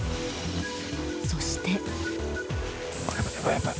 そして。